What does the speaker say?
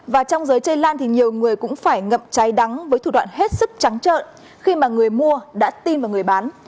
và trong giới chơi lan thì nhiều người cũng phải ngậm cháy đắng với thủ đoạn hết sức trắng trợn khi mà người mua đã tin vào người bán